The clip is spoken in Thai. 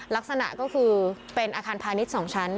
ลักษณะก็คือเป็นอาคารพาณิชย์๒ชั้น